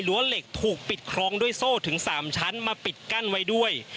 เหล็กถูกปิดครองด้วยโซ่ถึง๓ชั้นมาปิดกั้นไว้ด้วย